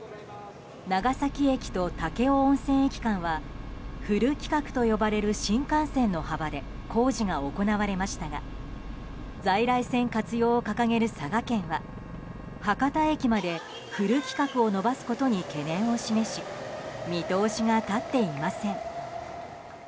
長崎駅と武雄温泉駅間はフル規格と呼ばれる新幹線の幅で工事が行われましたが在来線活用を掲げる佐賀県は博多駅までフル規格を延ばすことに懸念を示し見通しが立っていません。